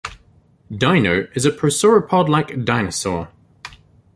Dino is a prosauropod-like dinosaur.